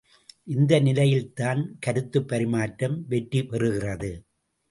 இந்த நிலையில் தான் கருத்துப் பரிமாற்றம் வெற்றி பெறுகிறது.